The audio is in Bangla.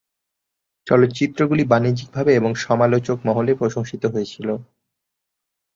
চলচ্চিত্রগুলি বাণিজ্যিকভাবে এবং সমালোচক মহলে প্রশংসিত হয়েছিল।